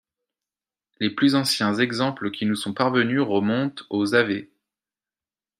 Les plus anciens exemples qui nous sont parvenus remontent au av.